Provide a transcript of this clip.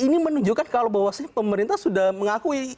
ini menunjukkan kalau bahwa pemerintah sudah mengakui